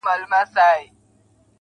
څه مسته نسه مي پـــه وجود كي ده.